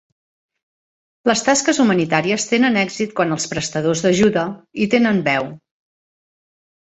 Les tasques humanitàries tenen èxit quan els prestadors d'ajuda hi tenen veu.